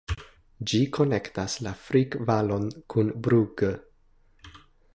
Ĝi konektas la Frick-Valon kun Brugg.